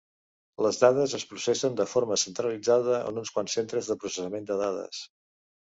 Les dades es processen de forma centralitzada en uns quants centres de processament de dades.